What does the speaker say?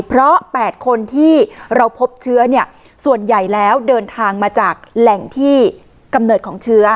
เพราะ๘คนที่เราพบเชื้อเนี่ยส่วนใหญ่แล้วเดินทางมาจากแหล่งที่กำเนิดของเชื้อ